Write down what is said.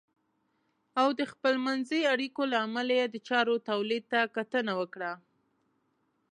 او د خپلمنځي اړیکو له امله یې د چارو تولید ته کتنه وکړه .